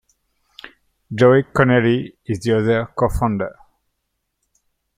Joe Connelly is the other co-founder.